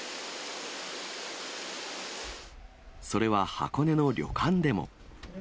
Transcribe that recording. それは箱根の旅館でも。